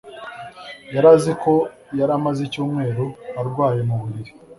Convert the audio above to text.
Yari azi ko yari amaze icyumweru arwaye mu buriri